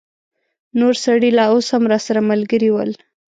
نور سړي لا اوس هم راسره ملګري ول.